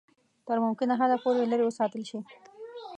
تر ممکنه حده پوري لیري وساتل شي.